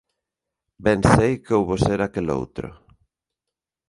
Ben sei que houbo ser aqueloutro.